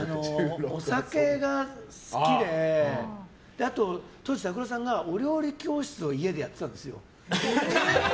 お酒が好きであと、当時ＴＡＫＵＲＯさんがお料理教室を家でやってたんですよ。